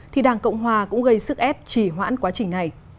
thì đảng cộng hòa cũng gây sức ép chỉ hoãn quá trình này